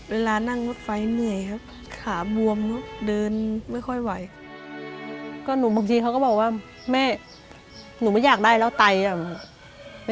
เวลานั่งรถไฟเหนื่อยครับ